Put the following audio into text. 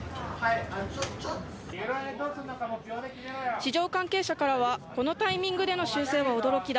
市場関係者からはこのタイミングでの修正は驚きだ。